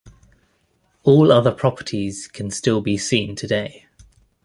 All other properties can still be seen today.